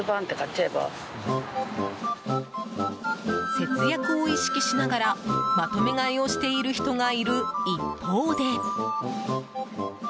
節約を意識しながらまとめ買いをしている人がいる一方で。